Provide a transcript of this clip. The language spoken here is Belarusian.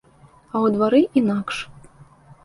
А ў двары інакш.